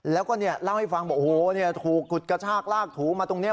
แล้วก็เล่าให้ฟังบอกโอ้โหถูกกุดกระชากลากถูมาตรงนี้